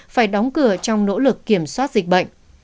phải đóng cửa trong nỗ lực kiểm soát dịch bệnh